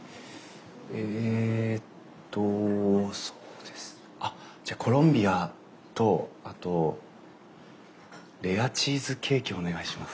えっとじゃあコロンビアとあとレアチーズケーキお願いします。